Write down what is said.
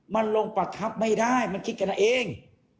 มนลงประทับไม่ได้มนคิดข้างนั้นเอง